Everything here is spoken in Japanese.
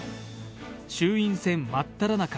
衆院選まっただ中。